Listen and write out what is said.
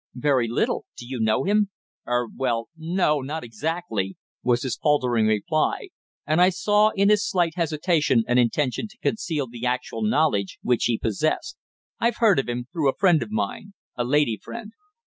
"Very little. Do you know him?" "Er well no, not exactly," was his faltering reply, and I saw in his slight hesitation an intention to conceal the actual knowledge which he possessed. "I've heard of him through a friend of mine a lady friend."